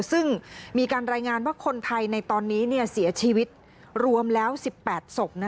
ซึ่งมีการรายงานว่าคนไทยในตอนนี้เสียชีวิตรวมแล้ว๑๘ศพ